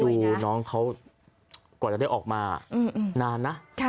แล้วคุณคิดดูน้องเขากว่าจะได้ออกมานานนะ